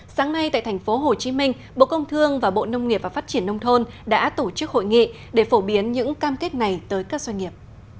sáng nay tại thành phố hồ chí minh bộ công thương và bộ nông nghiệp và phát triển nông thôn đã tổ chức hội nghị để phổ biến những cam kết này tới các doanh nghiệp